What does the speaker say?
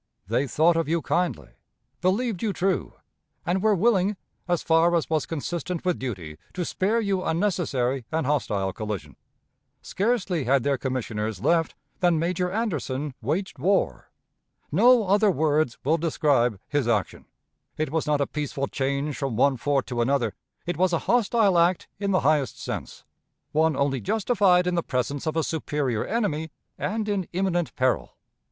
They thought of you kindly, believed you true, and were willing, as far as was consistent with duty, to spare you unnecessary and hostile collision. Scarcely had their commissioners left, than Major Anderson waged war. No other words will describe his action. It was not a peaceful change from one fort to another; it was a hostile act in the highest sense one only justified in the presence of a superior enemy and in imminent peril.